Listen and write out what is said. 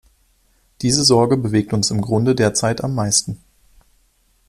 Diese Sorge bewegt uns im Grunde derzeit am meisten.